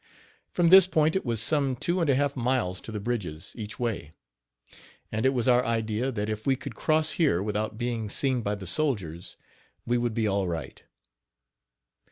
From this point it was some two and a half miles to the bridges, each way; and it was our idea that if we could cross here without being seen by the soldiers, we would be all right.